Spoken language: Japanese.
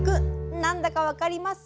何だか分かります？